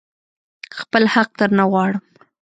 خپل حق درنه غواړم.